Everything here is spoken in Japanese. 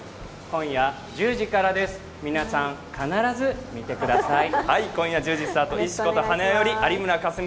今夜１０時からです、皆さん、必ず見てください。